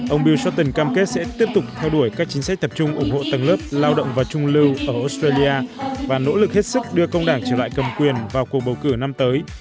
ông bewton cam kết sẽ tiếp tục theo đuổi các chính sách tập trung ủng hộ tầng lớp lao động và trung lưu ở australia và nỗ lực hết sức đưa công đảng trở lại cầm quyền vào cuộc bầu cử năm tới